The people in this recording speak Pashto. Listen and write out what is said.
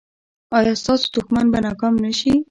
ایا ستاسو دښمن به ناکام نه شي؟